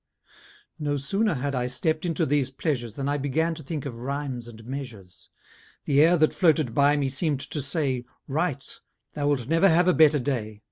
No sooner had I stepp'd into these pleasures Than I began to think of rhymes and measures: The air that floated by me seem'd to say "Write! thou wilt never have a better day."